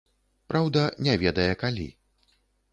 Праўда, не ведае калі.